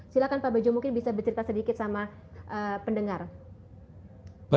silahkan pak bejo mungkin bisa bercerita sedikit sama pendengar